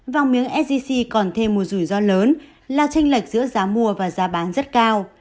vàng miếng sgc còn thêm một rủi ro lớn là tranh lệch giữa giá mua và giá bán rất cao